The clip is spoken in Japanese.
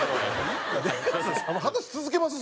話続けます？